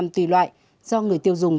tùy loại do người tiêu dùng